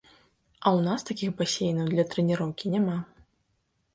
А ў нас такіх басейнаў для трэніроўкі няма.